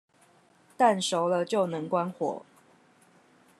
蛋熟了就能關火